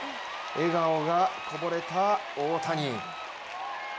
笑顔がこぼれた大谷。